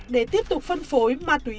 để tiếp tục phân phối ma túy